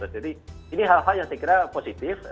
jadi ini hal hal yang saya kira positif